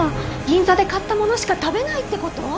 銀座で買った物しか食べないってこと？